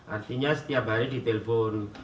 artinya setiap hari di telpon